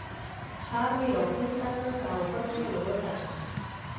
سر مې را پورته کړ او پټ مې ور وکتل.